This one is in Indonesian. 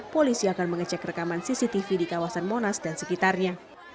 polisi akan mengecek rekaman cctv di kawasan monas dan sekitarnya